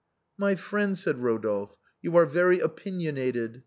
" My friend," said Eodolphe, " you are very opinionated.